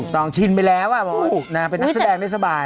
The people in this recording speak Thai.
ต้องชินไปแล้วบอกนะเป็นนักแสดงได้สบาย